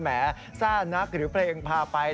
แม้ซ่านักหรือไปปลาไป